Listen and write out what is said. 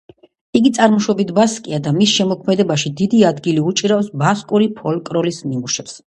იგი წარმოშობით ბასკია და მის შემოქმედებაში დიდი ადგილი უჭირავს ბასკური ფოლკლორის ნიმუშებს.